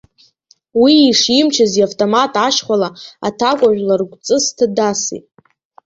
Уи ишимчыз иавтомат ашьхәала аҭакәажә ларгәҵысҭа дасит.